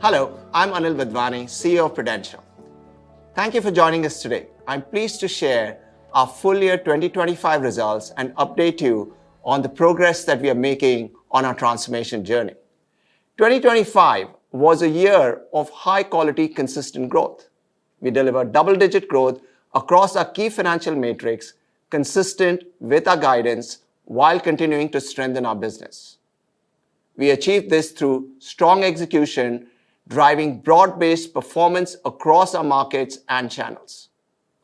Hello, I'm Anil Wadhwani, CEO of Prudential. Thank you for joining us today. I'm pleased to share our full year 2025 results and update you on the progress that we are making on our transformation journey. 2025 was a year of high quality, consistent growth. We delivered double-digit growth across our key financial metrics consistent with our guidance while continuing to strengthen our business. We achieved this through strong execution, driving broad-based performance across our markets and channels.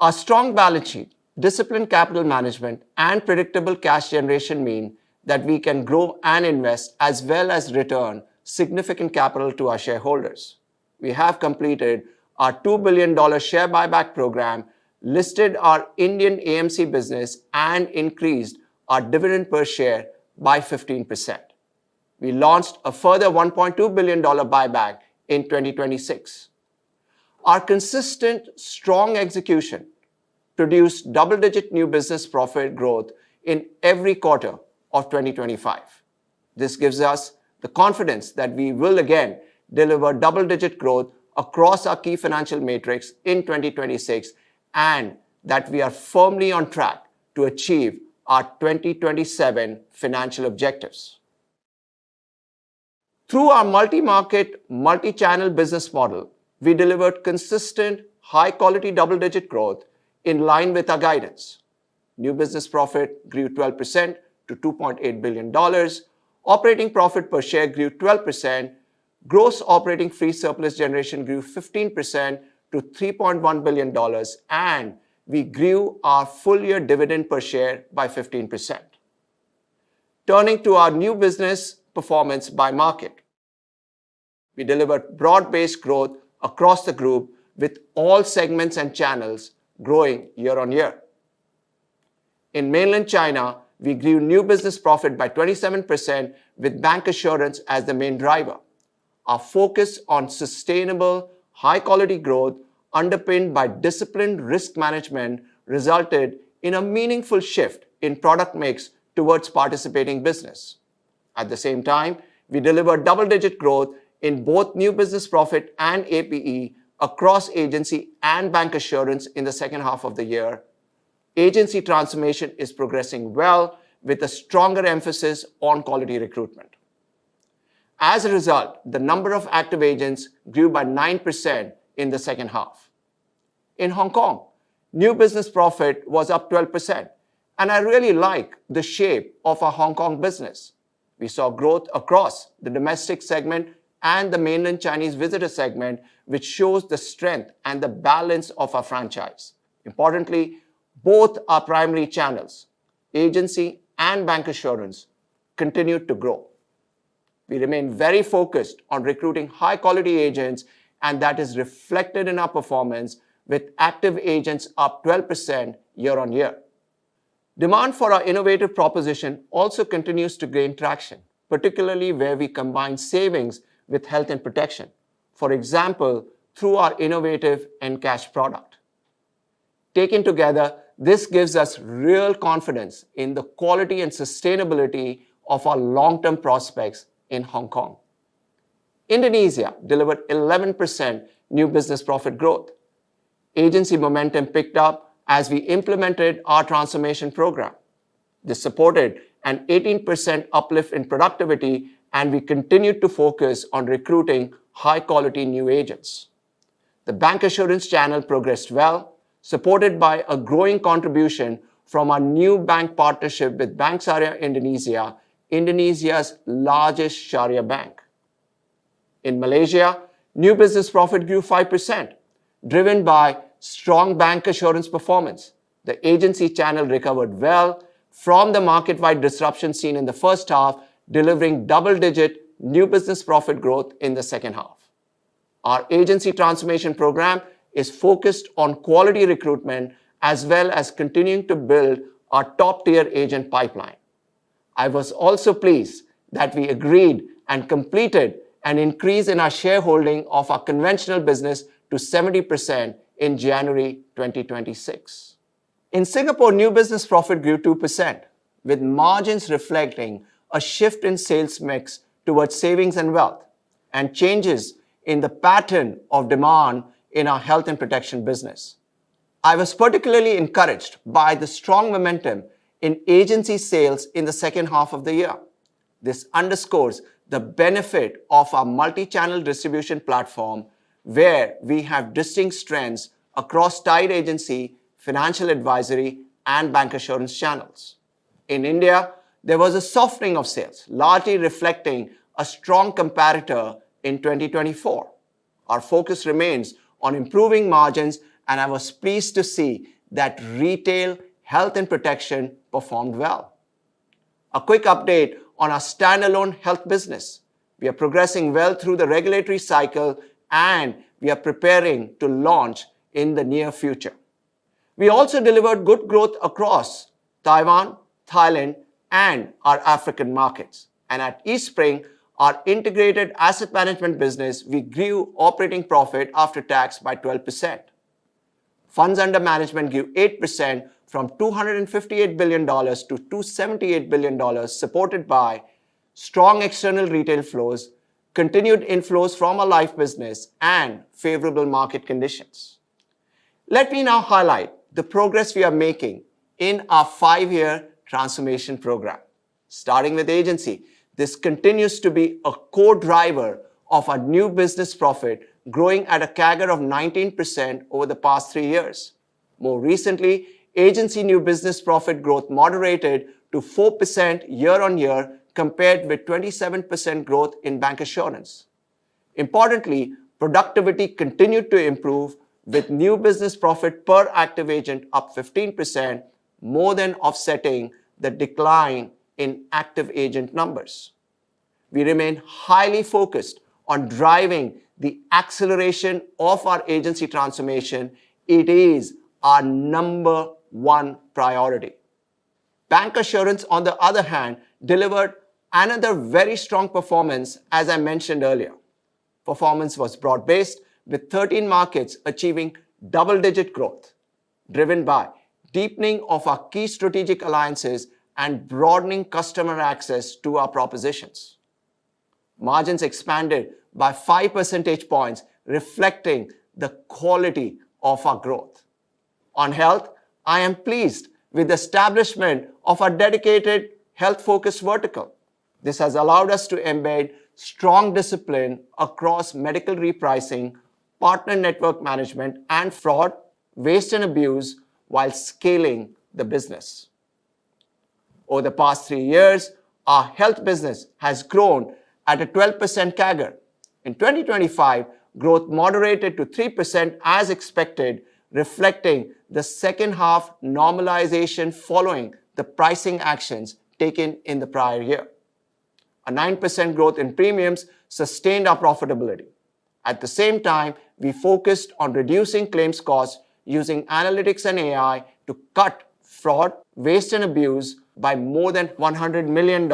Our strong balance sheet, disciplined capital management, and predictable cash generation mean that we can grow and invest as well as return significant capital to our shareholders. We have completed our $2 billion share buyback program, listed our Indian AMC business, and increased our dividend per share by 15%. We launched a further $1.2 billion buyback in 2026. Our consistent strong execution produced double-digit new business profit growth in every quarter of 2025. This gives us the confidence that we will again deliver double-digit growth across our key financial metrics in 2026, and that we are firmly on track to achieve our 2027 financial objectives. Through our multi-market, multi-channel business model, we delivered consistent high quality double-digit growth in line with our guidance. New business profit grew 12% to $2.8 billion. Operating profit per share grew 12%. Gross operating free surplus generation grew 15% to $3.1 billion, and we grew our full year dividend per share by 15%. Turning to our new business performance by market. We delivered broad-based growth across the group with all segments and channels growing year-on-year. In Mainland China, we grew new business profit by 27% with bancassurance as the main driver. Our focus on sustainable high quality growth underpinned by disciplined risk management resulted in a meaningful shift in product mix towards participating business. At the same time, we delivered double-digit growth in both new business profit and APE across agency and bancassurance in the second half of the year. Agency transformation is progressing well with a stronger emphasis on quality recruitment. As a result, the number of active agents grew by 9% in the second half. In Hong Kong, new business profit was up 12%, and I really like the shape of our Hong Kong business. We saw growth across the domestic segment and the Mainland Chinese visitor segment, which shows the strength and the balance of our franchise. Importantly, both our primary channels, agency and bancassurance, continued to grow. We remain very focused on recruiting high quality agents, and that is reflected in our performance with active agents up 12% year-on-year. Demand for our innovative proposition also continues to gain traction, particularly where we combine savings with health and protection. For example, through our innovative PRUCash product. Taken together, this gives us real confidence in the quality and sustainability of our long-term prospects in Hong Kong. Indonesia delivered 11% new business profit growth. Agency momentum picked up as we implemented our transformation program. This supported an 18% uplift in productivity, and we continued to focus on recruiting high quality new agents. The bancassurance channel progressed well, supported by a growing contribution from our new bank partnership with Bank Syariah Indonesia's largest Shariah bank. In Malaysia, new business profit grew 5%, driven by strong bancassurance performance. The agency channel recovered well from the market-wide disruption seen in the first half, delivering double-digit new business profit growth in the second half. Our agency transformation program is focused on quality recruitment as well as continuing to build our top-tier agent pipeline. I was also pleased that we agreed and completed an increase in our shareholding of our conventional business to 70% in January 2026. In Singapore, new business profit grew 2%, with margins reflecting a shift in sales mix towards savings and wealth and changes in the pattern of demand in our health and protection business. I was particularly encouraged by the strong momentum in agency sales in the second half of the year. This underscores the benefit of our multi-channel distribution platform, where we have distinct strengths across tied agency, financial advisory, and bancassurance channels. In India, there was a softening of sales, largely reflecting a strong comparator in 2024. Our focus remains on improving margins, and I was pleased to see that retail health and protection performed well. A quick update on our standalone health business. We are progressing well through the regulatory cycle, and we are preparing to launch in the near future. We also delivered good growth across Taiwan, Thailand, and our African markets. At Eastspring, our integrated asset management business, we grew operating profit after tax by 12%. Funds under management grew 8% from $258 billion to $278 billion, supported by strong external retail flows, continued inflows from our life business, and favorable market conditions. Let me now highlight the progress we are making in our five-year transformation program. Starting with agency, this continues to be a core driver of our new business profit, growing at a CAGR of 19% over the past three years. More recently, agency new business profit growth moderated to 4% year-on-year compared with 27% growth in bancassurance. Importantly, productivity continued to improve with new business profit per active agent up 15%, more than offsetting the decline in active agent numbers. We remain highly focused on driving the acceleration of our agency transformation. It is our number 1 priority. Bancassurance, on the other hand, delivered another very strong performance, as I mentioned earlier. Performance was broad-based with 13 markets achieving double-digit growth, driven by deepening of our key strategic alliances and broadening customer access to our propositions. Margins expanded by 5 percentage points, reflecting the quality of our growth. On health, I am pleased with the establishment of a dedicated health-focused vertical. This has allowed us to embed strong discipline across medical repricing, partner network management, and fraud, waste, and abuse while scaling the business. Over the past three years, our health business has grown at a 12% CAGR. In 2025, growth moderated to 3% as expected, reflecting the second half normalization following the pricing actions taken in the prior year. A 9% growth in premiums sustained our profitability. At the same time, we focused on reducing claims costs using analytics and AI to cut fraud, waste, and abuse by more than $100 million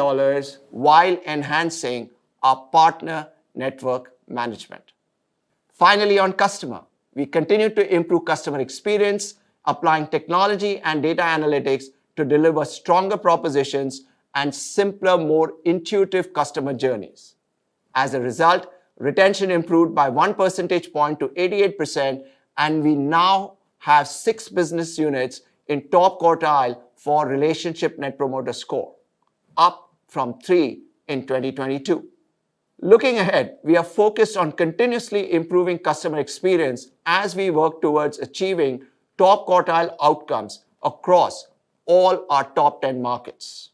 while enhancing our partner network management. Finally, on customer, we continue to improve customer experience, applying technology and data analytics to deliver stronger propositions and simpler, more intuitive customer journeys. As a result, retention improved by one percentage point to 88%, and we now have six business units in top quartile for relationship net promoter score, up from three in 2022. Looking ahead, we are focused on continuously improving customer experience as we work towards achieving top quartile outcomes across all our top 10 markets.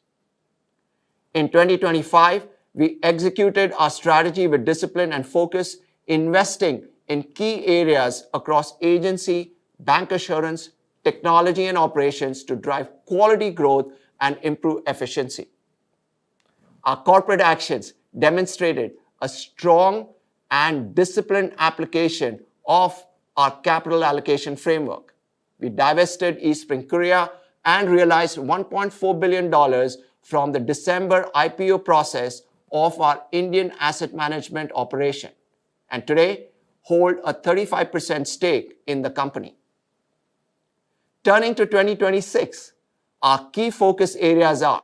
In 2025, we executed our strategy with discipline and focus, investing in key areas across agency, bancassurance, technology, and operations to drive quality growth and improve efficiency. Our corporate actions demonstrated a strong and disciplined application of our capital allocation framework. We divested Eastspring Korea and realized $1.4 billion from the December IPO process of our Indian asset management operation and today hold a 35% stake in the company. Turning to 2026, our key focus areas are.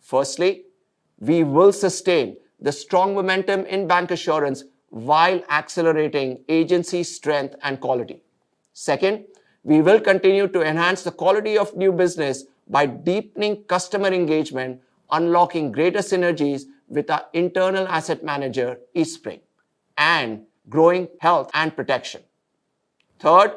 Firstly, we will sustain the strong momentum in bancassurance while accelerating agency strength and quality. Second, we will continue to enhance the quality of new business by deepening customer engagement, unlocking greater synergies with our internal asset manager, Eastspring, and growing health and protection. Third,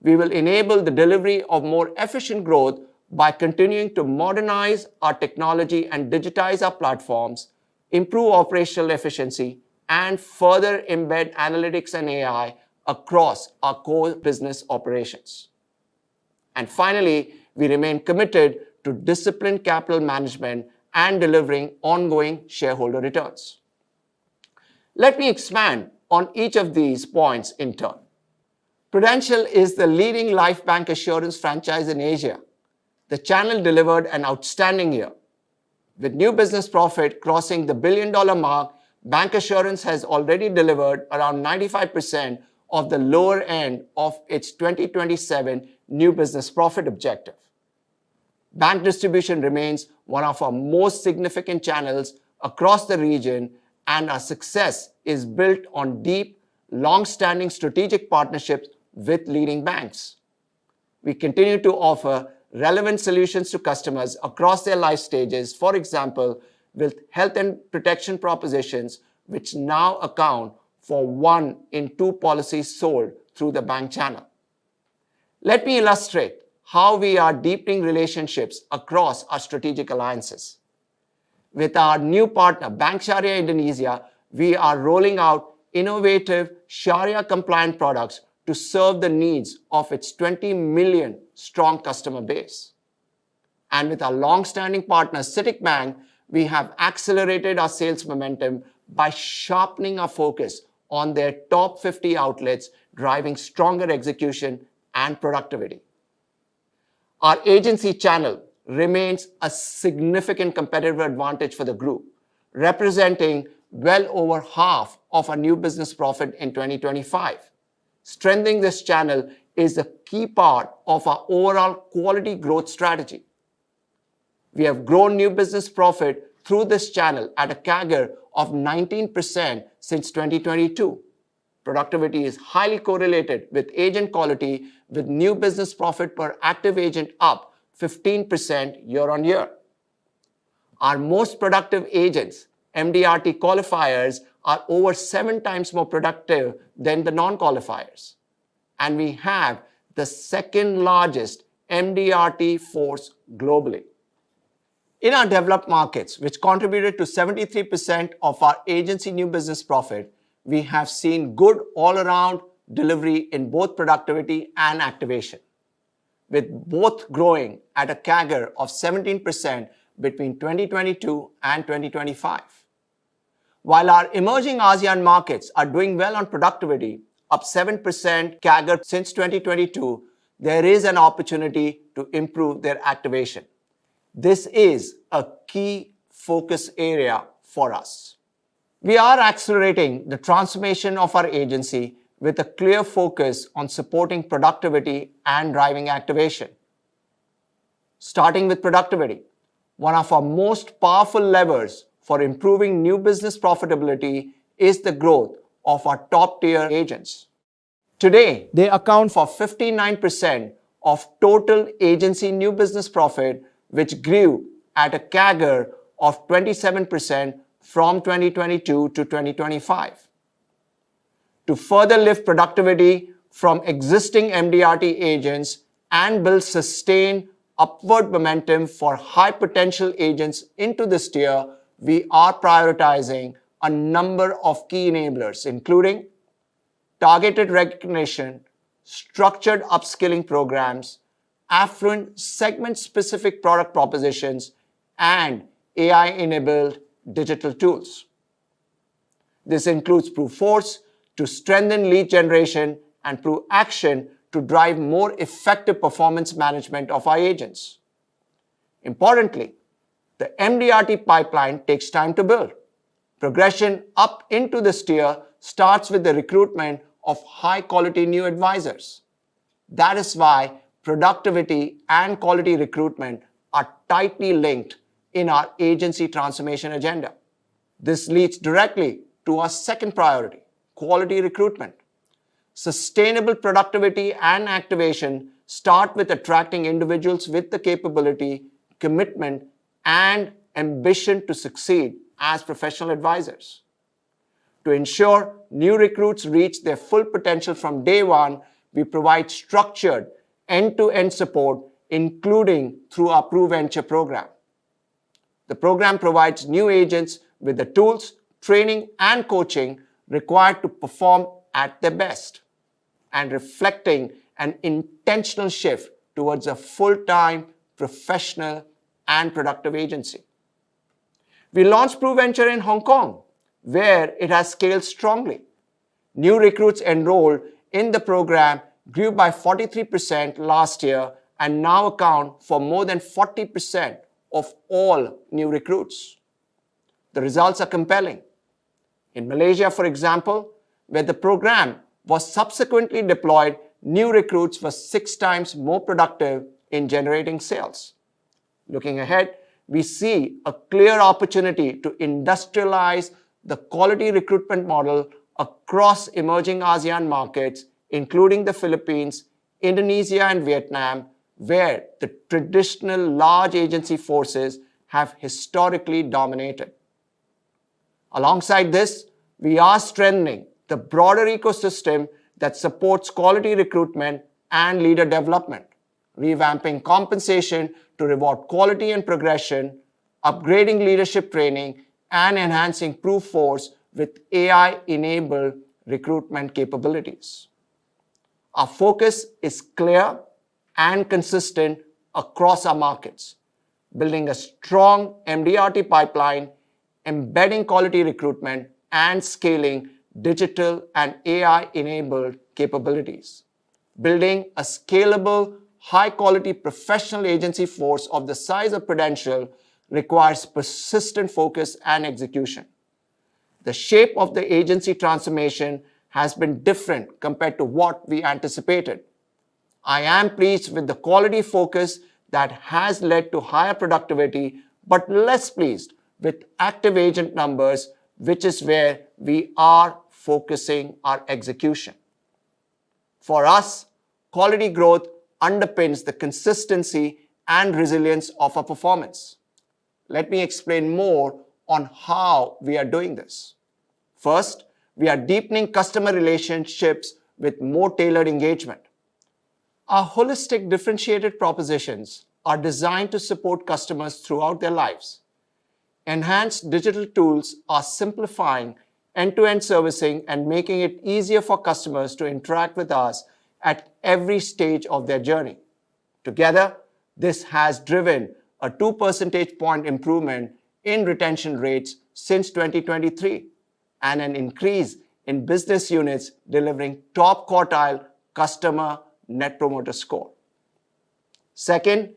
we will enable the delivery of more efficient growth by continuing to modernize our technology and digitize our platforms, improve operational efficiency, and further embed analytics and AI across our core business operations. Finally, we remain committed to disciplined capital management and delivering ongoing shareholder returns. Let me expand on each of these points in turn. Prudential is the leading life bancassurance franchise in Asia. The channel delivered an outstanding year. With new business profit crossing the billion-dollar mark, bancassurance has already delivered around 95% of the lower end of its 2027 new business profit objective. Bank distribution remains one of our most significant channels across the region, and our success is built on deep, long-standing strategic partnerships with leading banks. We continue to offer relevant solutions to customers across their life stages. For example, with health and protection propositions, which now account for 1 in 2 policies sold through the bank channel. Let me illustrate how we are deepening relationships across our strategic alliances. With our new partner, Bank Syariah Indonesia, we are rolling out innovative Shariah-compliant products to serve the needs of its 20 million strong customer base. With our long-standing partner, Citibank, we have accelerated our sales momentum by sharpening our focus on their top 50 outlets, driving stronger execution and productivity. Our agency channel remains a significant competitive advantage for the group, representing well over half of our new business profit in 2025. Strengthening this channel is a key part of our overall quality growth strategy. We have grown new business profit through this channel at a CAGR of 19% since 2022. Productivity is highly correlated with agent quality, with new business profit per active agent up 15% year-over-year. Our most productive agents, MDRT qualifiers, are over 7 times more productive than the non-qualifiers. We have the second largest MDRT force globally. In our developed markets, which contributed to 73% of our agency new business profit, we have seen good all around delivery in both productivity and activation, with both growing at a CAGR of 17% between 2022 and 2025. While our emerging ASEAN markets are doing well on productivity, up 7% CAGR since 2022, there is an opportunity to improve their activation. This is a key focus area for us. We are accelerating the transformation of our agency with a clear focus on supporting productivity and driving activation. Starting with productivity, one of our most powerful levers for improving new business profitability is the growth of our top-tier agents. Today, they account for 59% of total agency new business profit, which grew at a CAGR of 27% from 2022 to 2025. To further lift productivity from existing MDRT agents and build sustained upward momentum for high potential agents into this tier, we are prioritizing a number of key enablers, including targeted recognition, structured upskilling programs, affluent segment-specific product propositions, and AI-enabled digital tools. This includes PRUForce to strengthen lead generation and PRUAction to drive more effective performance management of our agents. Importantly, the MDRT pipeline takes time to build. Progression up into this tier starts with the recruitment of high quality new advisors. That is why productivity and quality recruitment are tightly linked in our agency transformation agenda. This leads directly to our second priority: quality recruitment. Sustainable productivity and activation start with attracting individuals with the capability, commitment, and ambition to succeed as professional advisors. To ensure new recruits reach their full potential from day one, we provide structured end-to-end support, including through our PRUVenture program. The program provides new agents with the tools, training, and coaching required to perform at their best and reflecting an intentional shift towards a full-time professional and productive agency. We launched PRUVenture in Hong Kong, where it has scaled strongly. New recruits enrolled in the program grew by 43% last year and now account for more than 40% of all new recruits. The results are compelling. In Malaysia, for example, where the program was subsequently deployed, new recruits were 6 times more productive in generating sales. Looking ahead, we see a clear opportunity to industrialize the quality recruitment model across emerging ASEAN markets, including the Philippines, Indonesia, and Vietnam, where the traditional large agency forces have historically dominated. Alongside this, we are strengthening the broader ecosystem that supports quality recruitment and leader development, revamping compensation to reward quality and progression, upgrading leadership training, and enhancing PRUForce with AI-enabled recruitment capabilities. Our focus is clear and consistent across our markets. Building a strong MDRT pipeline, embedding quality recruitment, and scaling digital and AI-enabled capabilities. Building a scalable, high quality professional agency force of the size of Prudential requires persistent focus and execution. The shape of the agency transformation has been different compared to what we anticipated. I am pleased with the quality focus that has led to higher productivity, but less pleased with active agent numbers, which is where we are focusing our execution. For us, quality growth underpins the consistency and resilience of our performance. Let me explain more on how we are doing this. First, we are deepening customer relationships with more tailored engagement. Our holistic differentiated propositions are designed to support customers throughout their lives. Enhanced digital tools are simplifying end-to-end servicing and making it easier for customers to interact with us at every stage of their journey. Together, this has driven a 2 percentage point improvement in retention rates since 2023. An increase in business units delivering top-quartile customer net promoter score. Second,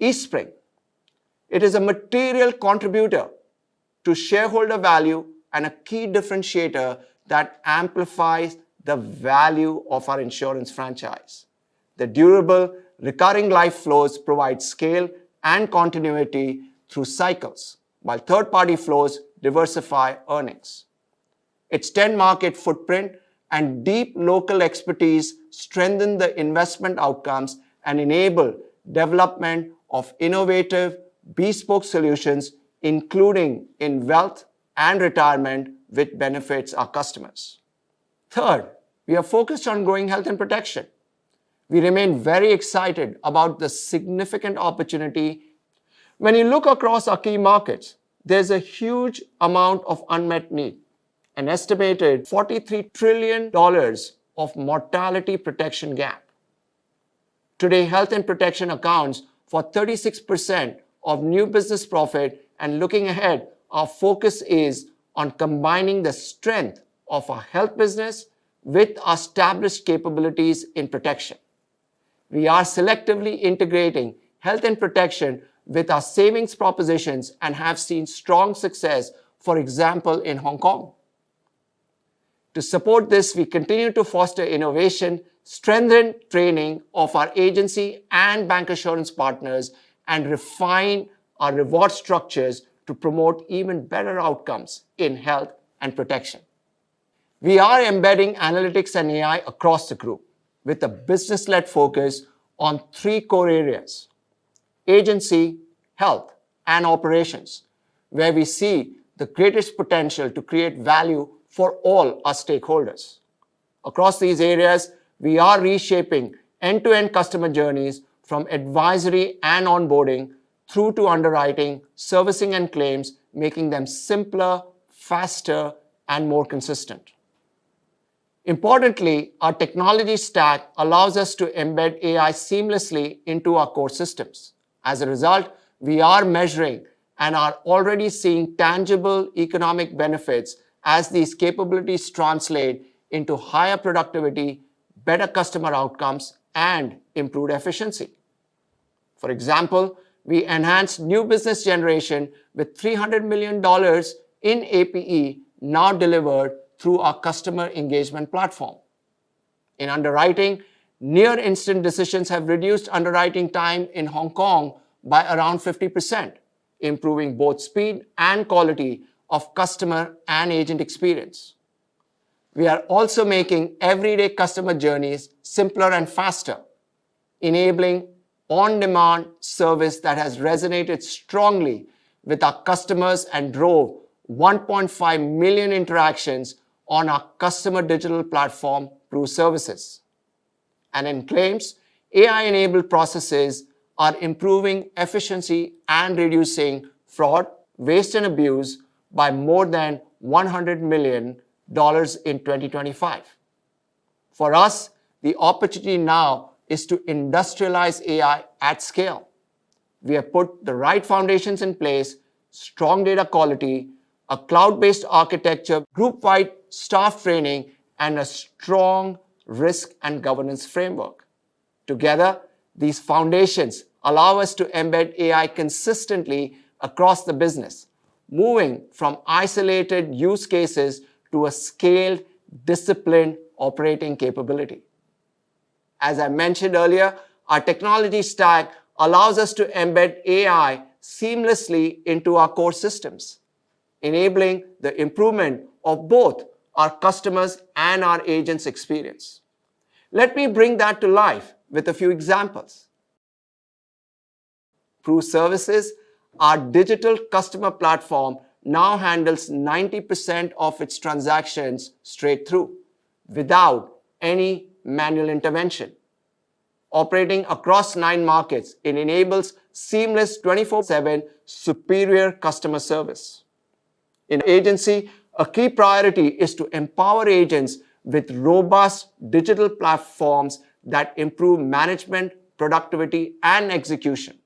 Eastspring. It is a material contributor to shareholder value and a key differentiator that amplifies the value of our insurance franchise. The durable recurring life flows provide scale and continuity through cycles, while third-party flows diversify earnings. Its 10-market footprint and deep local expertise strengthen the investment outcomes and enable development of innovative bespoke solutions, including in wealth and retirement, which benefits our customers. Third, we are focused on growing health and protection. We remain very excited about the significant opportunity. When you look across our key markets, there's a huge amount of unmet need. An estimated $43 trillion of mortality protection gap. Today, health and protection accounts for 36% of new business profit, and looking ahead, our focus is on combining the strength of our health business with established capabilities in protection. We are selectively integrating health and protection with our savings propositions and have seen strong success, for example, in Hong Kong. To support this, we continue to foster innovation, strengthen training of our agency and bancassurance partners, and refine our reward structures to promote even better outcomes in health and protection. We are embedding analytics and AI across the group with a business-led focus on three core areas, agency, health, and operations, where we see the greatest potential to create value for all our stakeholders. Across these areas, we are reshaping end-to-end customer journeys from advisory and onboarding through to underwriting, servicing, and claims, making them simpler, faster, and more consistent. Importantly, our technology stack allows us to embed AI seamlessly into our core systems. As a result, we are measuring and are already seeing tangible economic benefits as these capabilities translate into higher productivity, better customer outcomes, and improved efficiency. For example, we enhance new business generation with $300 million in APE now delivered through our customer engagement platform. In underwriting, near instant decisions have reduced underwriting time in Hong Kong by around 50%, improving both speed and quality of customer and agent experience. We are also making everyday customer journeys simpler and faster, enabling on-demand service that has resonated strongly with our customers and drove 1.5 million interactions on our customer digital platform through services. In claims, AI-enabled processes are improving efficiency and reducing fraud, waste, and abuse by more than $100 million in 2025. For us, the opportunity now is to industrialize AI at scale. We have put the right foundations in place, strong data quality, a cloud-based architecture, group-wide staff training, and a strong risk and governance framework. Together, these foundations allow us to embed AI consistently across the business, moving from isolated use cases to a scaled, disciplined operating capability. As I mentioned earlier, our technology stack allows us to embed AI seamlessly into our core systems, enabling the improvement of both our customers' and our agents' experience. Let me bring that to life with a few examples. PRUServices, our digital customer platform now handles 90% of its transactions straight through without any manual intervention. Operating across nine markets, it enables seamless 24/7 superior customer service. In agency, a key priority is to empower agents with robust digital platforms that improve management, productivity, and execution.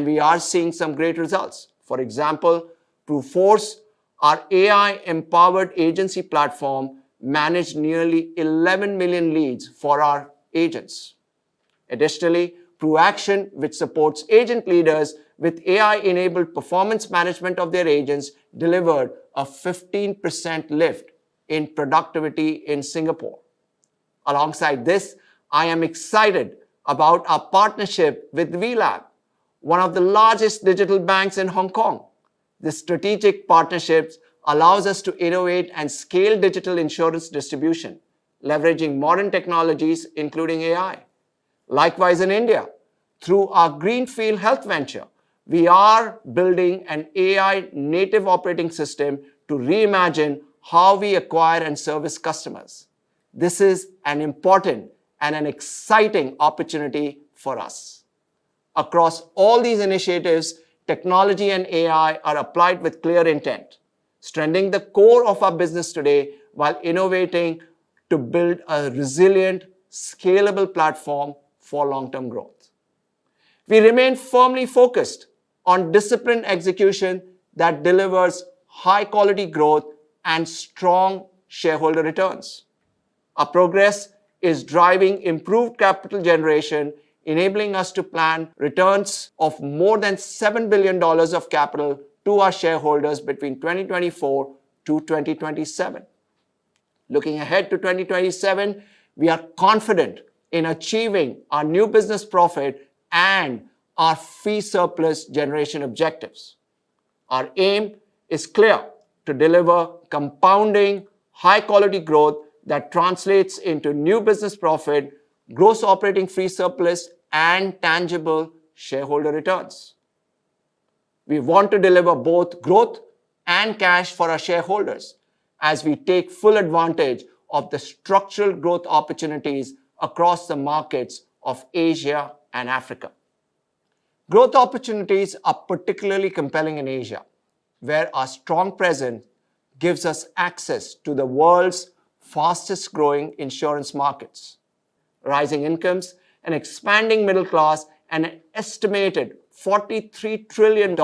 We are seeing some great results. For example, through PRUForce, our AI-empowered agency platform managed nearly 11 million leads for our agents. Additionally, through PRUAction, which supports agent leaders with AI-enabled performance management of their agents, delivered a 15% lift in productivity in Singapore. Alongside this, I am excited about our partnership with WeLab, one of the largest digital banks in Hong Kong. This strategic partnership allows us to innovate and scale digital insurance distribution, leveraging modern technologies, including AI. Likewise, in India, through our greenfield health venture, we are building an AI-native operating system to reimagine how we acquire and service customers. This is an important and an exciting opportunity for us. Across all these initiatives, technology and AI are applied with clear intent, strengthening the core of our business today while innovating to build a resilient, scalable platform for long-term growth. We remain firmly focused on disciplined execution that delivers high quality growth and strong shareholder returns. Our progress is driving improved capital generation, enabling us to plan returns of more than $7 billion of capital to our shareholders between 2024-2027. Looking ahead to 2027, we are confident in achieving our new business profit and our free surplus generation objectives. Our aim is clear, to deliver compounding high quality growth that translates into new business profit, gross operating free surplus and tangible shareholder returns. We want to deliver both growth and cash for our shareholders as we take full advantage of the structural growth opportunities across the markets of Asia and Africa. Growth opportunities are particularly compelling in Asia, where our strong presence gives us access to the world's fastest-growing insurance markets. Rising incomes, an expanding middle class and an estimated $43 trillion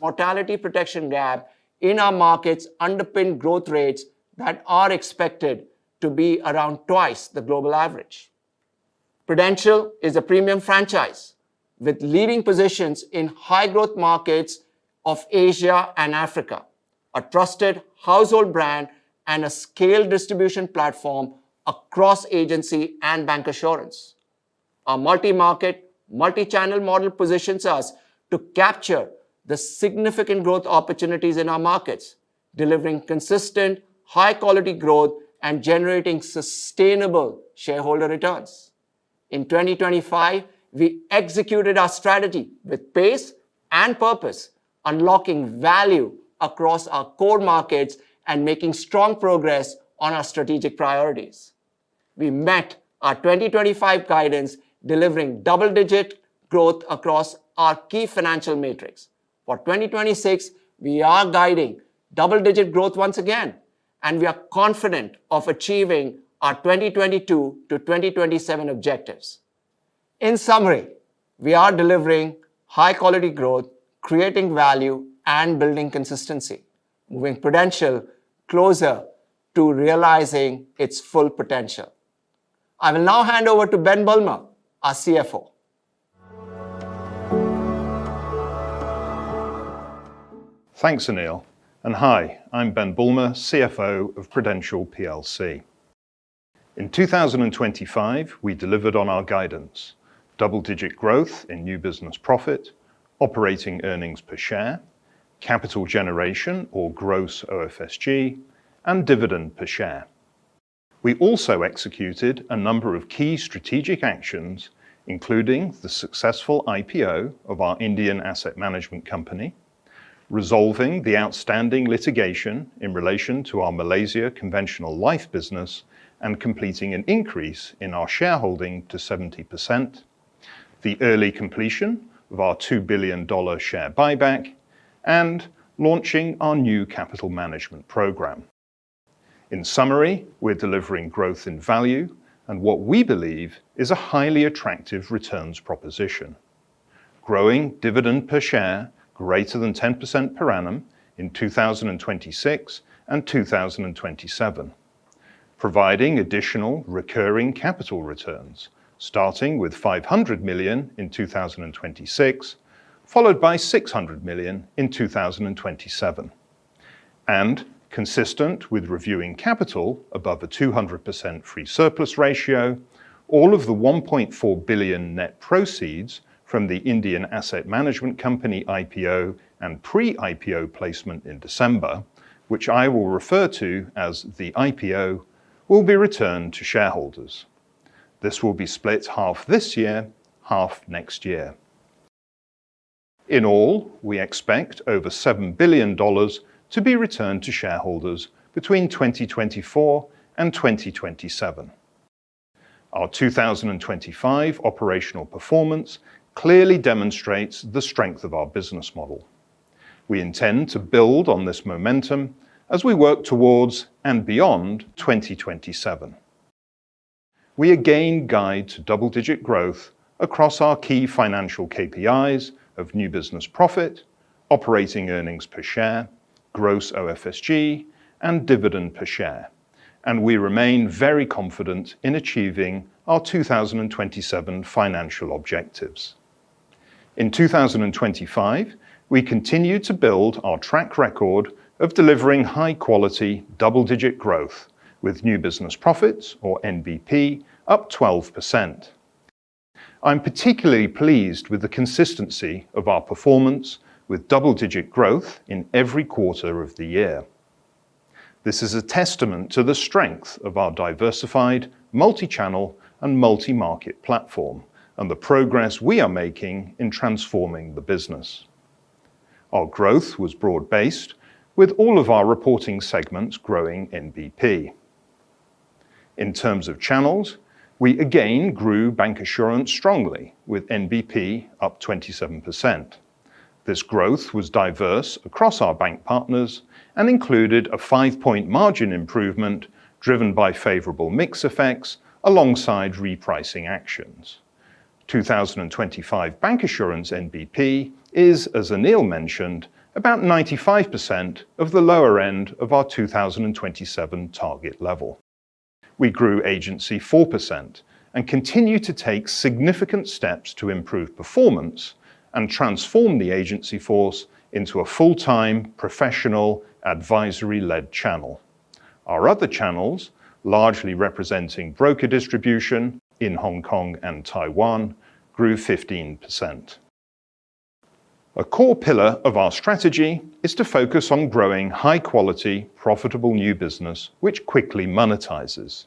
mortality protection gap in our markets underpin growth rates that are expected to be around twice the global average. Prudential is a premium franchise with leading positions in high-growth markets of Asia and Africa, a trusted household brand and a scaled distribution platform across agency and bancassurance. Our multi-market, multi-channel model positions us to capture the significant growth opportunities in our markets, delivering consistent, high-quality growth and generating sustainable shareholder returns. In 2025, we executed our strategy with pace and purpose, unlocking value across our core markets and making strong progress on our strategic priorities. We met our 2025 guidance, delivering double-digit growth across our key financial metrics. For 2026, we are guiding double-digit growth once again, and we are confident of achieving our 2022 to 2027 objectives. In summary, we are delivering high quality growth, creating value and building consistency, moving Prudential closer to realizing its full potential. I will now hand over to Ben Bulmer, our CFO. Thanks, Anil. Hi, I'm Ben Bulmer, CFO of Prudential plc. In 2025, we delivered on our guidance, double-digit growth in new business profit, operating earnings per share, capital generation and gross OFSG, and dividend per share. We also executed a number of key strategic actions, including the successful IPO of our Indian asset management company, resolving the outstanding litigation in relation to our Malaysia conventional life business and completing an increase in our shareholding to 70%, the early completion of our $2 billion share buyback, and launching our new capital management program. In summary, we're delivering growth in value and what we believe is a highly attractive returns proposition. Growing dividend per share greater than 10% per annum in 2026 and 2027. Providing additional recurring capital returns, starting with $500 million in 2026, followed by $600 million in 2027. Consistent with reviewing capital above the 200% free surplus ratio, all of the $1.4 billion net proceeds from the ICICI Prudential Asset Management Company IPO and pre-IPO placement in December, which I will refer to as the IPO, will be returned to shareholders. This will be split half this year, half next year. In all, we expect over $7 billion to be returned to shareholders between 2024 and 2027. Our 2025 operational performance clearly demonstrates the strength of our business model. We intend to build on this momentum as we work towards and beyond 2027. We again guide to double-digit growth across our key financial KPIs of new business profit, operating earnings per share, gross OFSG, and dividend per share, and we remain very confident in achieving our 2027 financial objectives. In 2025, we continued to build our track record of delivering high-quality double-digit growth with new business profits or NBP up 12%. I'm particularly pleased with the consistency of our performance with double-digit growth in every quarter of the year. This is a testament to the strength of our diversified, multi-channel and multi-market platform and the progress we are making in transforming the business. Our growth was broad-based with all of our reporting segments growing NBP. In terms of channels, we again grew bancassurance strongly with NBP up 27%. This growth was diverse across our bank partners and included a 5-point margin improvement driven by favorable mix effects alongside repricing actions. 2025 bancassurance NBP is, as Anil mentioned, about 95% of the lower end of our 2027 target level. We grew agency 4% and continue to take significant steps to improve performance and transform the agency force into a full-time, professional, advisory-led channel. Our other channels, largely representing broker distribution in Hong Kong and Taiwan, grew 15%. A core pillar of our strategy is to focus on growing high-quality, profitable new business which quickly monetizes.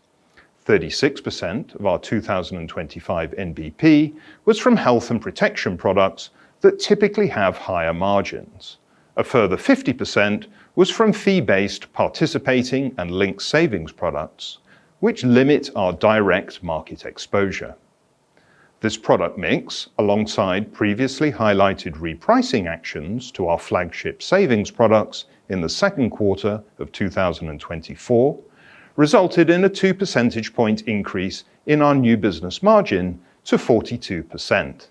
36% of our 2025 NBP was from health and protection products that typically have higher margins. A further 50% was from fee-based participating and linked savings products which limit our direct market exposure. This product mix, alongside previously highlighted repricing actions to our flagship savings products in the second quarter of 2024, resulted in a 2 percentage point increase in our new business margin to 42%.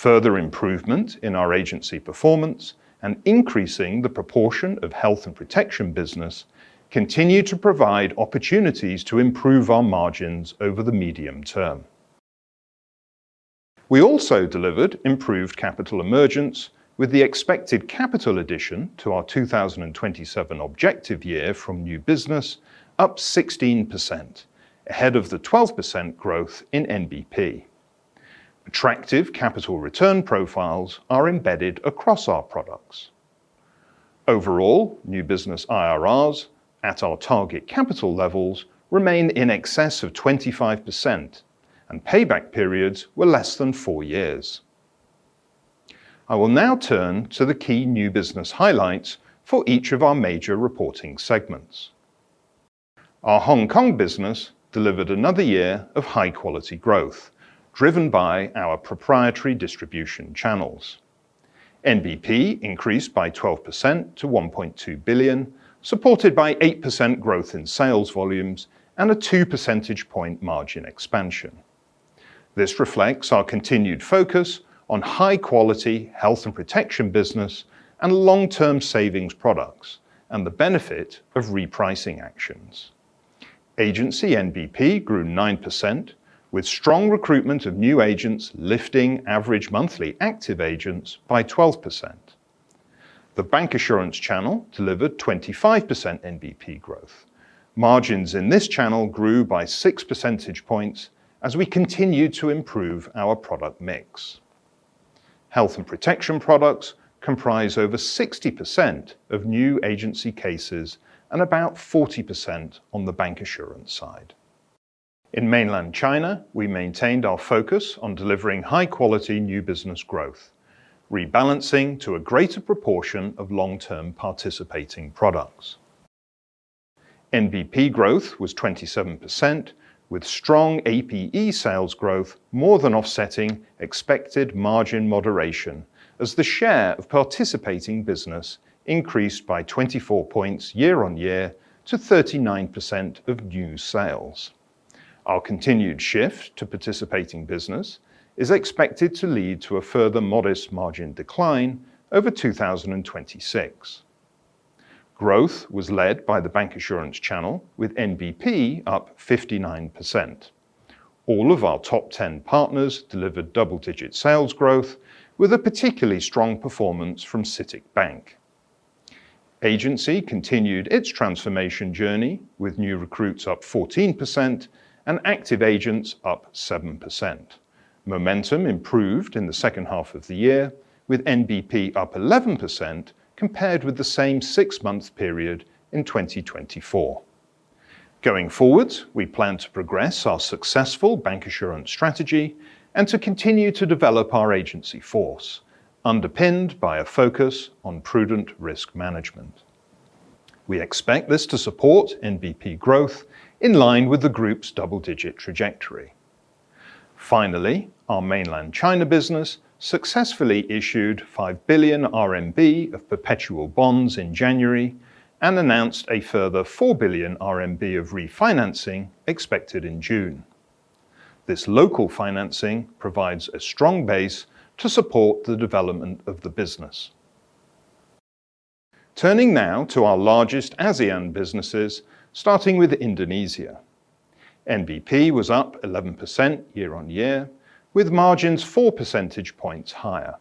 Further improvement in our agency performance and increasing the proportion of health and protection business continue to provide opportunities to improve our margins over the medium term. We also delivered improved capital emergence with the expected capital addition to our 2027 objective year from new business up 16%, ahead of the 12% growth in NBP. Attractive capital return profiles are embedded across our products. Overall, new business IRRs at our target capital levels remain in excess of 25%, and payback periods were less than four years. I will now turn to the key new business highlights for each of our major reporting segments. Our Hong Kong business delivered another year of high-quality growth, driven by our proprietary distribution channels. NBP increased by 12% to $1.2 billion, supported by 8% growth in sales volumes and a 2 percentage point margin expansion. This reflects our continued focus on high quality, health and protection business, and long-term savings products, and the benefit of repricing actions. Agency NBP grew 9%, with strong recruitment of new agents lifting average monthly active agents by 12%. The bancassurance channel delivered 25% NBP growth. Margins in this channel grew by 6 percentage points as we continued to improve our product mix. Health and protection products comprise over 60% of new agency cases and about 40% on the bancassurance side. In mainland China, we maintained our focus on delivering high-quality new business growth, rebalancing to a greater proportion of long-term participating products. NBP growth was 27%, with strong APE sales growth more than offsetting expected margin moderation as the share of participating business increased by 24 points year-on-year to 39% of new sales. Our continued shift to participating business is expected to lead to a further modest margin decline over 2026. Growth was led by the bancassurance channel, with NBP up 59%. All of our top ten partners delivered double-digit sales growth, with a particularly strong performance from CITIC Bank. Agency continued its transformation journey, with new recruits up 14% and active agents up 7%. Momentum improved in the second half of the year, with NBP up 11% compared with the same six-month period in 2024. Going forward, we plan to progress our successful bancassurance strategy and to continue to develop our agency force, underpinned by a focus on prudent risk management. We expect this to support NBP growth in line with the group's double-digit trajectory. Finally, our mainland China business successfully issued 5 billion RMB of perpetual bonds in January and announced a further 4 billion RMB of refinancing expected in June. This local financing provides a strong base to support the development of the business. Turning now to our largest ASEAN businesses, starting with Indonesia. NBP was up 11% year-on-year, with margins four percentage points higher.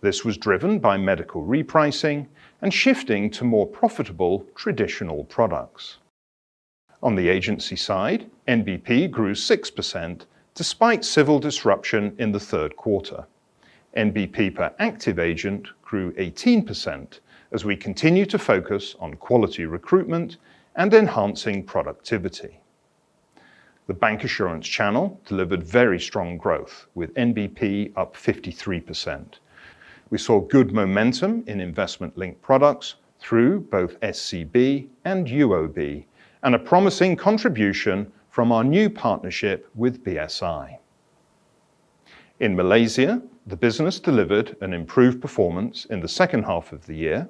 This was driven by medical repricing and shifting to more profitable traditional products. On the agency side, NBP grew 6% despite civil disruption in the third quarter. NBP per active agent grew 18% as we continue to focus on quality recruitment and enhancing productivity. The bancassurance channel delivered very strong growth, with NBP up 53%. We saw good momentum in investment-linked products through both SCB and UOB, and a promising contribution from our new partnership with BSI. In Malaysia, the business delivered an improved performance in the second half of the year,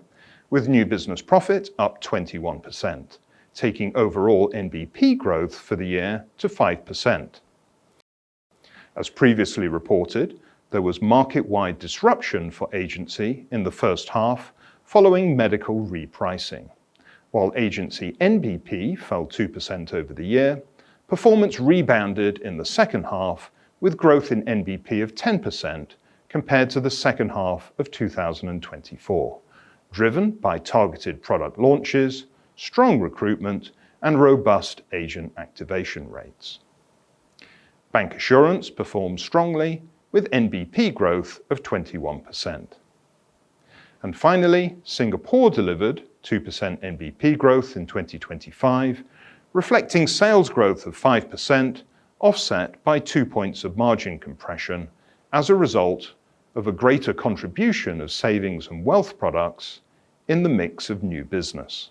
with new business profit up 21%, taking overall NBP growth for the year to 5%. As previously reported, there was market-wide disruption for agency in the first half following medical repricing. While agency NBP fell 2% over the year, performance rebounded in the second half, with growth in NBP of 10% compared to the second half of 2024, driven by targeted product launches, strong recruitment, and robust agent activation rates. Bancassurance performed strongly with NBP growth of 21%. Finally, Singapore delivered 2% NBP growth in 2025, reflecting sales growth of 5%, offset by 2 points of margin compression as a result of a greater contribution of savings and wealth products in the mix of new business.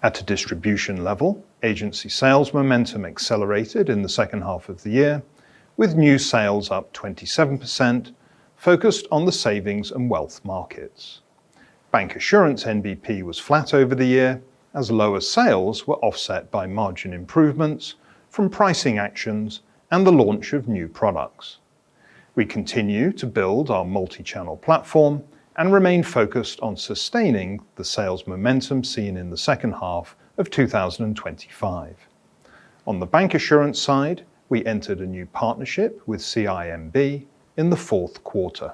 At a distribution level, agency sales momentum accelerated in the second half of the year, with new sales up 27% focused on the savings and wealth markets. Bancassurance NBP was flat over the year, as lower sales were offset by margin improvements from pricing actions and the launch of new products. We continue to build our multi-channel platform and remain focused on sustaining the sales momentum seen in the second half of 2025. On the bancassurance side, we entered a new partnership with CIMB in the fourth quarter.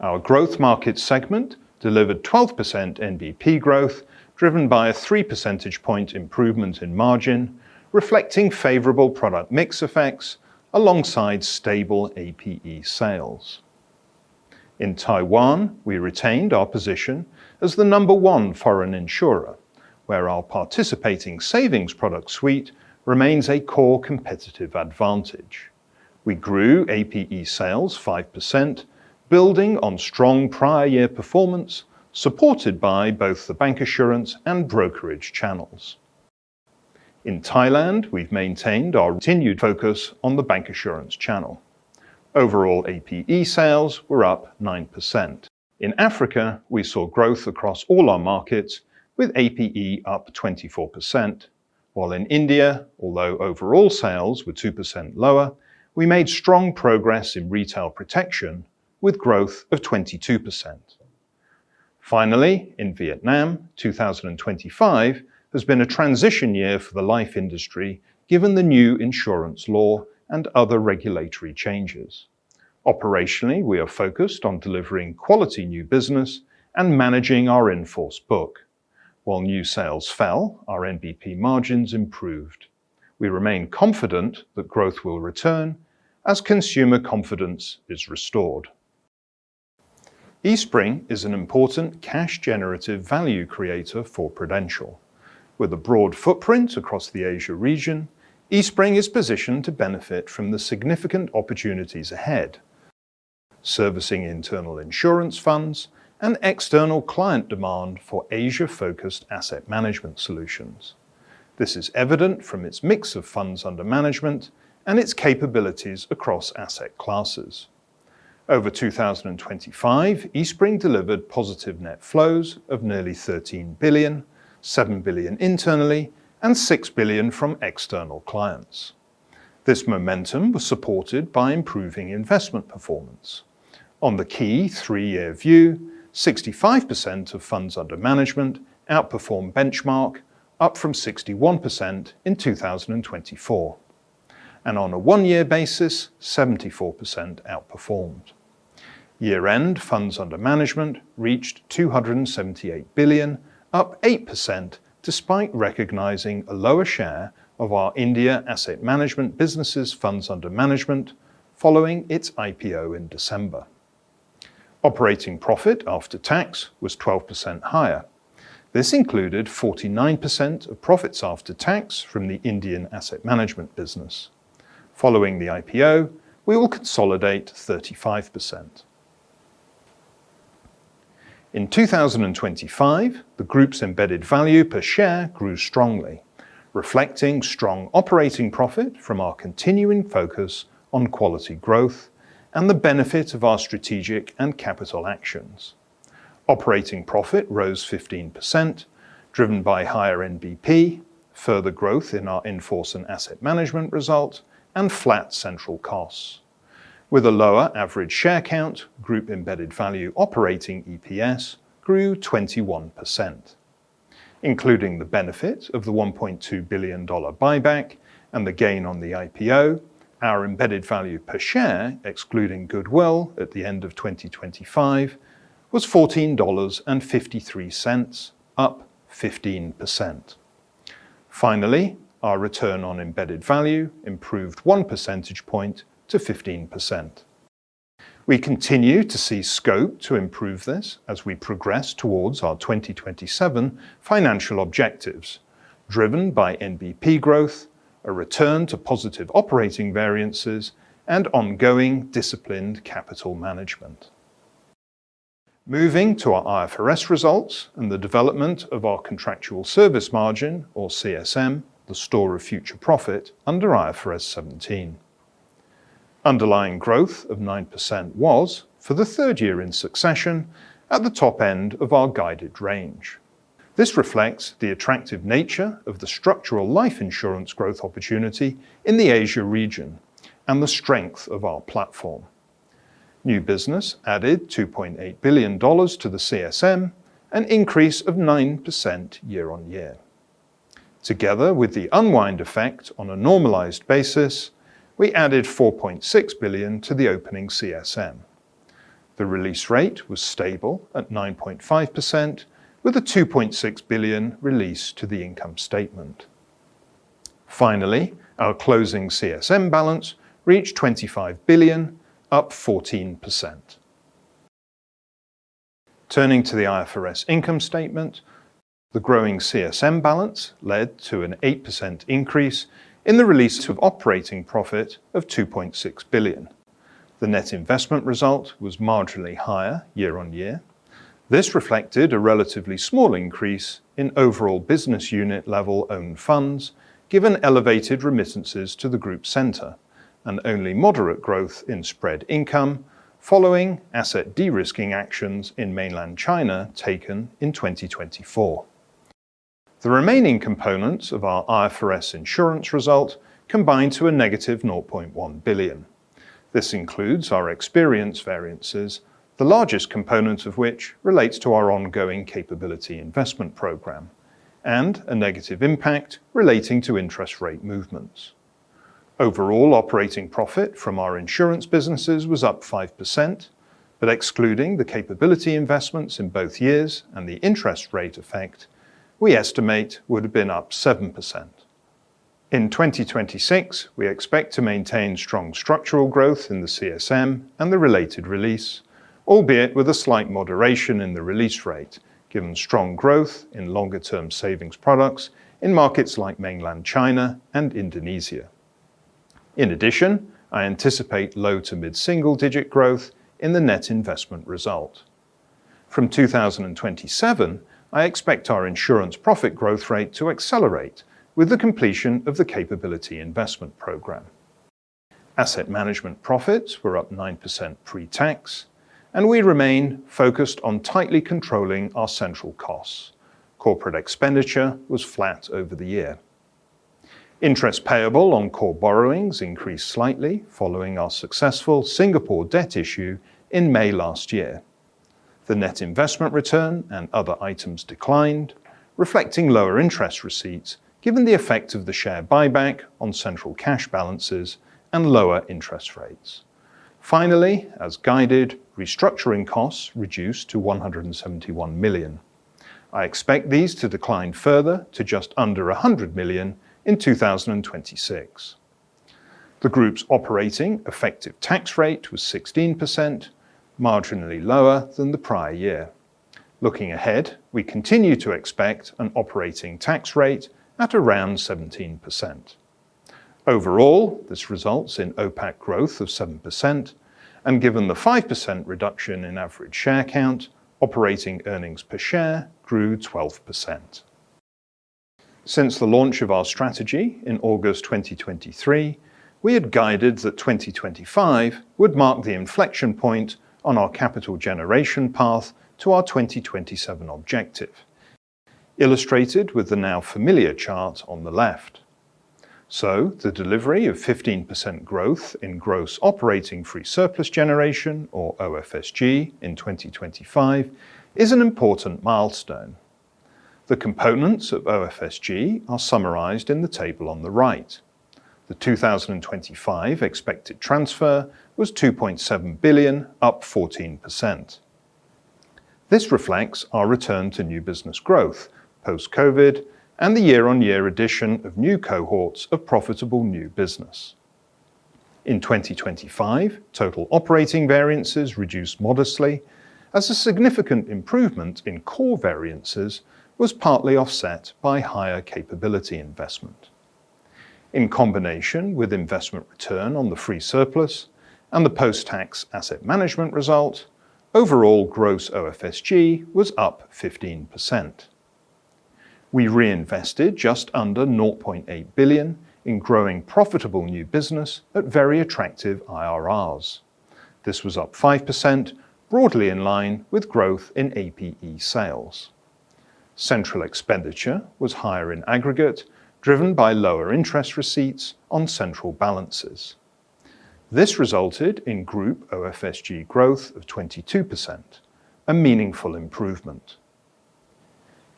Our growth market segment delivered 12% NBP growth, driven by a 3 percentage point improvement in margin, reflecting favorable product mix effects alongside stable APE sales. In Taiwan, we retained our position as the number one foreign insurer, where our participating savings product suite remains a core competitive advantage. We grew APE sales 5%, building on strong prior year performance, supported by both the bancassurance and brokerage channels. In Thailand, we've maintained our continued focus on the bancassurance channel. Overall APE sales were up 9%. In Africa, we saw growth across all our markets, with APE up 24%, while in India, although overall sales were 2% lower, we made strong progress in retail protection, with growth of 22%. Finally, in Vietnam, 2025 has been a transition year for the life industry given the new insurance law and other regulatory changes. Operationally, we are focused on delivering quality new business and managing our in-force book. While new sales fell, our NBP margins improved. We remain confident that growth will return as consumer confidence is restored. Eastspring is an important cash generative value creator for Prudential. With a broad footprint across the Asia region, Eastspring is positioned to benefit from the significant opportunities ahead, servicing internal insurance funds and external client demand for Asia focused asset management solutions. This is evident from its mix of funds under management and its capabilities across asset classes. Over 2025, Eastspring delivered positive net flows of nearly $13 billion, $7 billion internally and $6 billion from external clients. This momentum was supported by improving investment performance. On the key three-year view, 65% of funds under management outperformed benchmark, up from 61% in 2024. On a one-year basis, 74% outperformed. Year-end funds under management reached $278 billion, up 8%, despite recognizing a lower share of our India asset management businesses funds under management following its IPO in December. Operating profit after tax was 12% higher. This included 49% of profits after tax from the Indian asset management business. Following the IPO, we will consolidate 35%. In 2025, the group's embedded value per share grew strongly, reflecting strong operating profit from our continuing focus on quality growth and the benefit of our strategic and capital actions. Operating profit rose 15%, driven by higher NBP, further growth in our in-force and asset management result, and flat central costs. With a lower average share count, group embedded value operating EPS grew 21%. Including the benefit of the $1.2 billion buyback and the gain on the IPO, our embedded value per share, excluding goodwill at the end of 2025, was $14.53, up 15%. Finally, our return on embedded value improved 1 percentage point to 15%. We continue to see scope to improve this as we progress towards our 2027 financial objectives, driven by NBP growth, a return to positive operating variances, and ongoing disciplined capital management. Moving to our IFRS results and the development of our contractual service margin or CSM, the store of future profit under IFRS 17. Underlying growth of 9% was, for the third year in succession, at the top end of our guided range. This reflects the attractive nature of the structural life insurance growth opportunity in the Asia region and the strength of our platform. New business added $2.8 billion to the CSM, an increase of 9% year-on-year. Together with the unwind effect on a normalized basis, we added $4.6 billion to the opening CSM. The release rate was stable at 9.5% with a $2.6 billion release to the income statement. Finally, our closing CSM balance reached $25 billion, up 14%. Turning to the IFRS income statement, the growing CSM balance led to an 8% increase in the release of operating profit of $2.6 billion. The net investment result was marginally higher year-on-year. This reflected a relatively small increase in overall business unit level own funds, given elevated remittances to the group center and only moderate growth in spread income following asset de-risking actions in mainland China taken in 2024. The remaining components of our IFRS insurance result combined to a negative $0.1 billion. This includes our experience variances, the largest component of which relates to our ongoing capability investment program and a negative impact relating to interest rate movements. Overall, operating profit from our insurance businesses was up 5%. Excluding the capability investments in both years and the interest rate effect, we estimate would have been up 7%. In 2026, we expect to maintain strong structural growth in the CSM and the related release, albeit with a slight moderation in the release rate, given strong growth in longer term savings products in markets like mainland China and Indonesia. In addition, I anticipate low to mid-single digit growth in the net investment result. From 2027, I expect our insurance profit growth rate to accelerate with the completion of the capability investment program. Asset management profits were up 9% pre-tax, and we remain focused on tightly controlling our central costs. Corporate expenditure was flat over the year. Interest payable on core borrowings increased slightly following our successful Singapore debt issue in May last year. The net investment return and other items declined, reflecting lower interest receipts given the effect of the share buyback on central cash balances and lower interest rates. Finally, as guided, restructuring costs reduced to $171 million. I expect these to decline further to just under $100 million in 2026. The group's operating effective tax rate was 16%, marginally lower than the prior year. Looking ahead, we continue to expect an operating tax rate at around 17%. Overall, this results in OPAC growth of 7% and given the 5% reduction in average share count, operating earnings per share grew 12%. Since the launch of our strategy in August 2023, we had guided that 2025 would mark the inflection point on our capital generation path to our 2027 objective, illustrated with the now familiar chart on the left. The delivery of 15% growth in gross operating free surplus generation or OFSG in 2025 is an important milestone. The components of OFSG are summarized in the table on the right. The 2025 expected transfer was $2.7 billion, up 14%. This reflects our return to new business growth post-COVID and the year-on-year addition of new cohorts of profitable new business. In 2025, total operating variances reduced modestly as a significant improvement in core variances was partly offset by higher capability investment. In combination with investment return on the free surplus and the post-tax asset management result, overall gross OFSG was up 15%. We reinvested just under $0.8 billion in growing profitable new business at very attractive IRRs. This was up 5%, broadly in line with growth in APE sales. Central expenditure was higher in aggregate, driven by lower interest receipts on central balances. This resulted in group OFSG growth of 22%, a meaningful improvement.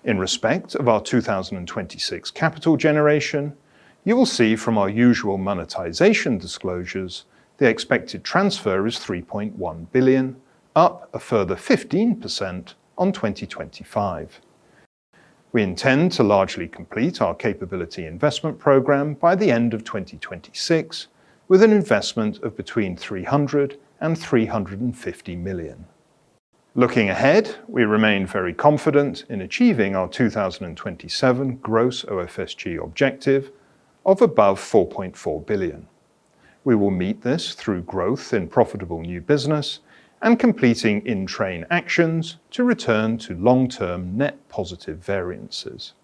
In respect of our 2026 capital generation, you will see from our usual monetization disclosures, the expected transfer is $3.1 billion, up a further 15% on 2025. We intend to largely complete our capability investment program by the end of 2026 with an investment of between $300 million and $350 million. Looking ahead, we remain very confident in achieving our 2027 gross OFSG objective of above $4.4 billion. We will meet this through growth in profitable new business and completing in-train actions to return to long-term net positive variances.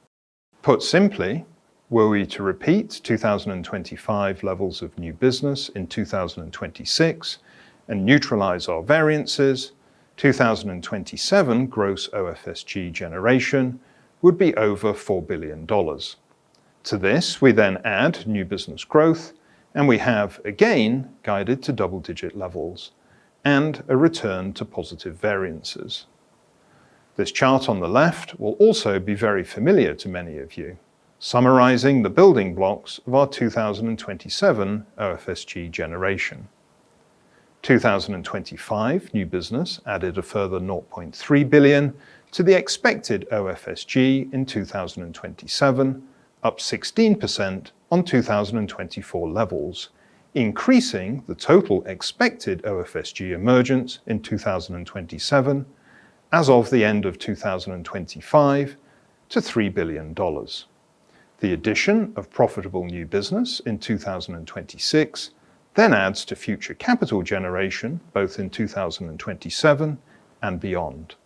Put simply, were we to repeat 2025 levels of new business in 2026 and neutralize our variances, 2027 gross OFSG generation would be over $4 billion. To this, we then add new business growth, and we have again guided to double-digit levels and a return to positive variances. This chart on the left will also be very familiar to many of you, summarizing the building blocks of our 2027 OFSG generation. 2025 new business added a further $0.3 billion to the expected OFSG in 2027, up 16% on 2024 levels, increasing the total expected OFSG emergence in 2027 as of the end of 2025 to $3 billion. The addition of profitable new business in 2026 then adds to future capital generation, both in 2027 and beyond.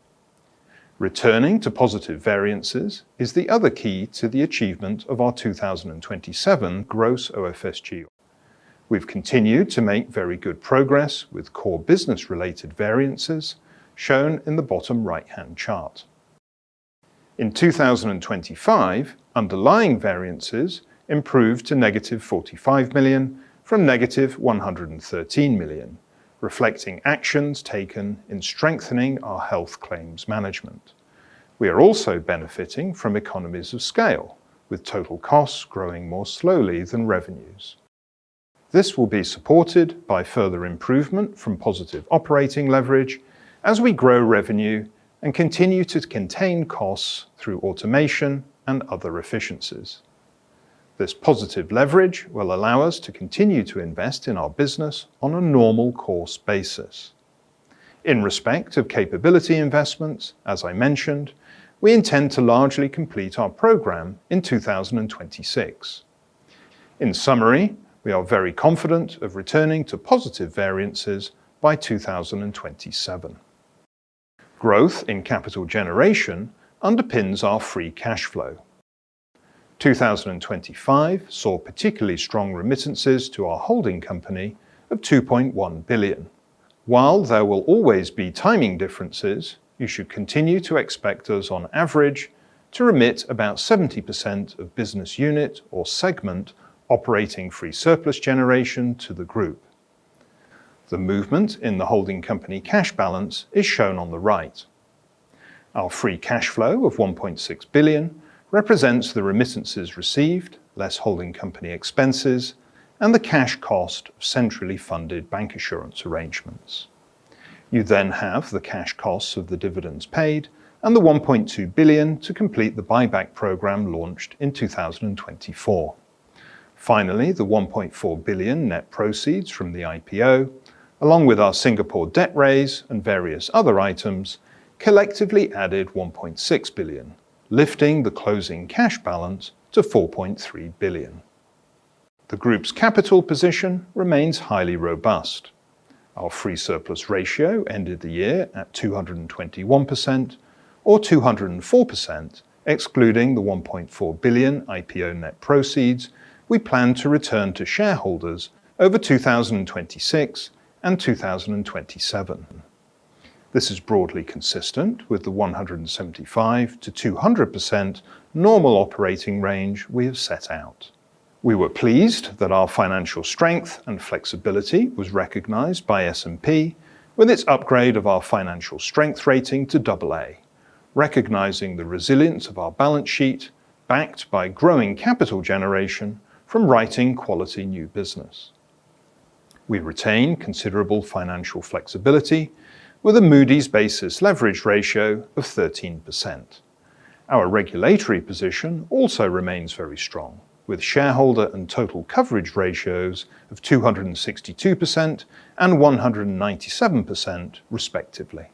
Returning to positive variances is the other key to the achievement of our 2027 gross OFSG. We've continued to make very good progress with core business related variances shown in the bottom right-hand chart. In 2025, underlying variances improved to -$45 million from -$113 million, reflecting actions taken in strengthening our health claims management. We are also benefiting from economies of scale, with total costs growing more slowly than revenues. This will be supported by further improvement from positive operating leverage as we grow revenue and continue to contain costs through automation and other efficiencies. This positive leverage will allow us to continue to invest in our business on a normal course basis. In respect of capability investments, as I mentioned, we intend to largely complete our program in 2026. In summary, we are very confident of returning to positive variances by 2027. Growth in capital generation underpins our free cash flow. 2025 saw particularly strong remittances to our holding company of $2.1 billion. While there will always be timing differences, you should continue to expect us, on average, to remit about 70% of business unit or segment operating free surplus generation to the group. The movement in the holding company cash balance is shown on the right. Our free cash flow of $1.6 billion represents the remittances received, less holding company expenses and the cash cost of centrally funded bancassurance arrangements. You have the cash costs of the dividends paid and the $1.2 billion to complete the buyback program launched in 2024. Finally, the $1.4 billion net proceeds from the IPO, along with our Singapore debt raise and various other items, collectively added $1.6 billion, lifting the closing cash balance to $4.3 billion. The group's capital position remains highly robust. Our free surplus ratio ended the year at 221% or 204%, excluding the $1.4 billion IPO net proceeds we plan to return to shareholders over 2026 and 2027. This is broadly consistent with the 175%-200% normal operating range we have set out. We were pleased that our financial strength and flexibility was recognized by S&P with its upgrade of our financial strength rating to AA, recognizing the resilience of our balance sheet, backed by growing capital generation from writing quality new business. We retain considerable financial flexibility with a Moody's basis leverage ratio of 13%. Our regulatory position also remains very strong, with shareholder and total coverage ratios of 262% and 197% respectively.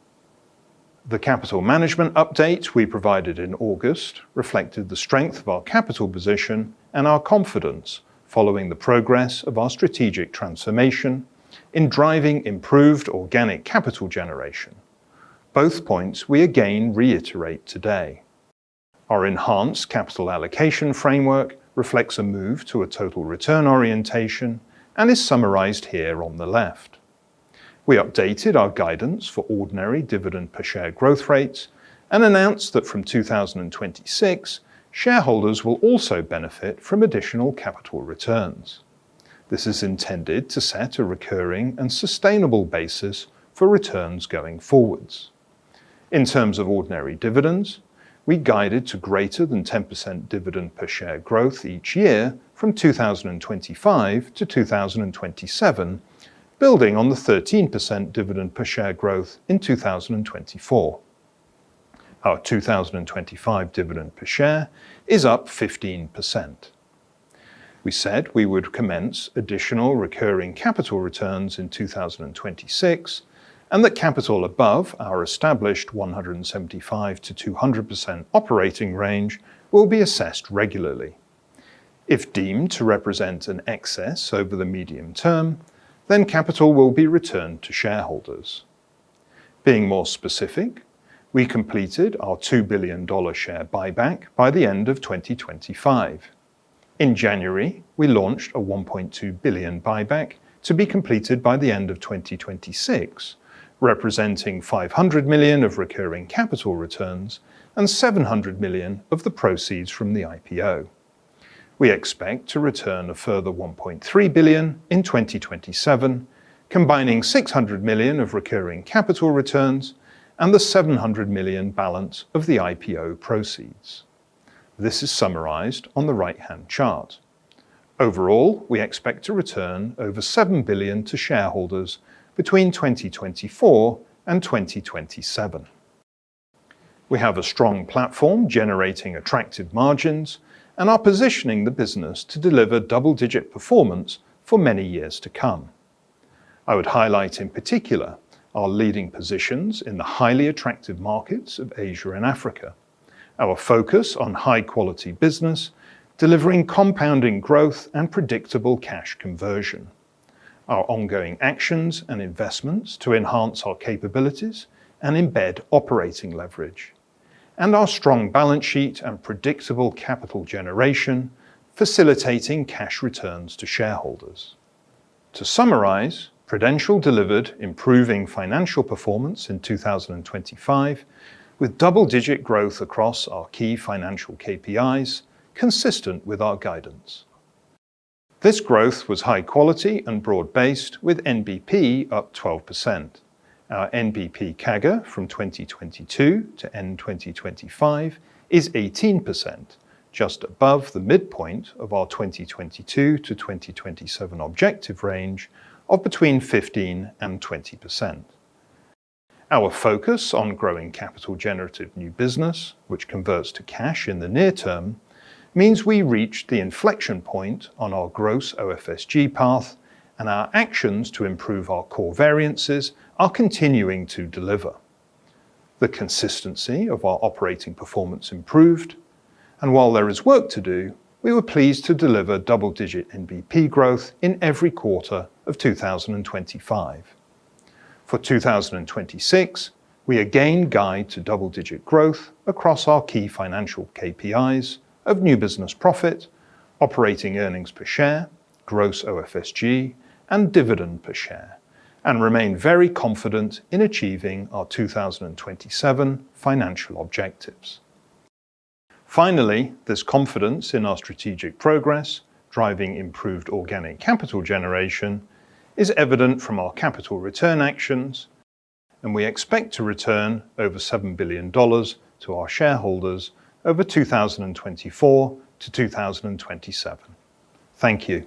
The capital management update we provided in August reflected the strength of our capital position and our confidence following the progress of our strategic transformation in driving improved organic capital generation. Both points we again reiterate today. Our enhanced capital allocation framework reflects a move to a total return orientation and is summarized here on the left. We updated our guidance for ordinary dividend per share growth rates and announced that from 2026, shareholders will also benefit from additional capital returns. This is intended to set a recurring and sustainable basis for returns going forwards. In terms of ordinary dividends, we guided to greater than 10% dividend per share growth each year from 2025 to 2027, building on the 13% dividend per share growth in 2024. Our 2025 dividend per share is up 15%. We said we would commence additional recurring capital returns in 2026, and that capital above our established 175%-200% operating range will be assessed regularly. If deemed to represent an excess over the medium term, then capital will be returned to shareholders. Being more specific, we completed our $2 billion share buyback by the end of 2025. In January, we launched a $1.2 billion buyback to be completed by the end of 2026, representing $500 million of recurring capital returns and $700 million of the proceeds from the IPO. We expect to return a further $1.3 billion in 2027, combining $600 million of recurring capital returns and the $700 million balance of the IPO proceeds. This is summarized on the right-hand chart. Overall, we expect to return over $7 billion to shareholders between 2024 and 2027. We have a strong platform generating attractive margins and are positioning the business to deliver double-digit performance for many years to come. I would highlight in particular our leading positions in the highly attractive markets of Asia and Africa, our focus on high quality business, delivering compounding growth and predictable cash conversion. Our ongoing actions and investments to enhance our capabilities and embed operating leverage, and our strong balance sheet and predictable capital generation facilitating cash returns to shareholders. To summarize, Prudential delivered improving financial performance in 2025 with double-digit growth across our key financial KPIs, consistent with our guidance. This growth was high quality and broad-based, with NBP up 12%. Our NBP CAGR from 2022 to end 2025 is 18%, just above the midpoint of our 2022 to 2027 objective range of between 15% and 20%. Our focus on growing capital generative new business, which converts to cash in the near term, means we reached the inflection point on our gross OFSG path and our actions to improve our core variances are continuing to deliver. The consistency of our operating performance improved, and while there is work to do, we were pleased to deliver double-digit NBP growth in every quarter of 2025. For 2026, we again guide to double-digit growth across our key financial KPIs of new business profit, operating earnings per share, gross OFSG, and dividend per share, and remain very confident in achieving our 2027 financial objectives. Finally, this confidence in our strategic progress, driving improved organic capital generation is evident from our capital return actions, and we expect to return over $7 billion to our shareholders over 2024 to 2027. Thank you.